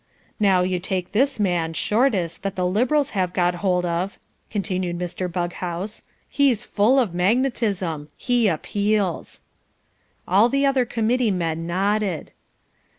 "Now, you take this man, Shortis, that the Liberals have got hold of," continued Mr. Bughouse, "he's full of MAGNETISM. He appeals." All the other Committee men nodded.